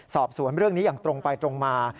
สอบสวนเรื่องนี้อย่างตรงไปตรงมา